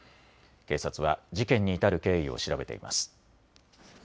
警察は事件に至る経緯を調べています。